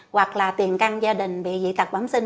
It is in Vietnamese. hoặc là tiền căng gia đình bị dị tạc bám sinh